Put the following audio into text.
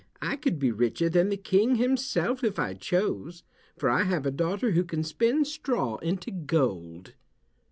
I could be richer than the King himself if I chose, for I have a daughter who can spin straw into gold."